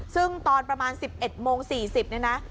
ซึ่งตอนประมาณ๑๑โมง๔๐เนี่ยนะ